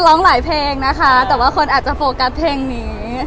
เล่นกับหลายเพลงนะคะแต่ว่าคนอาจจะเฟิร์กกับเพลงนี้